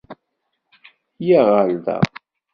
Yya ɣer da.